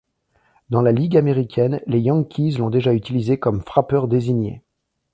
Dans la Ligue américaine, les Yankees l'ont déjà utilisé comme frappeur désigné.